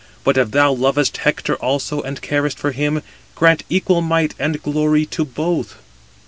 But if thou lovest Hector also, and carest for him, grant equal might and glory to both."